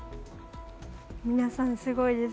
皆さん、すごいです。